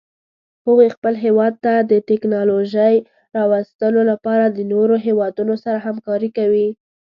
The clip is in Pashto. هغوی خپل هیواد ته د تکنالوژۍ راوستلو لپاره د نورو هیوادونو سره همکاري کوي